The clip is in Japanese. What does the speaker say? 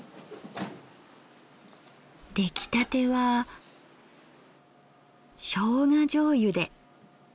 出来たてはしょうがじょうゆで。